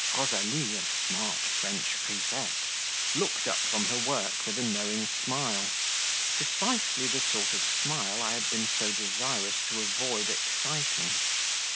Rosalie a smart French grisette looked up from her work with a knowing smile, precisely the sort of smile I had been so desirous to avoid exciting.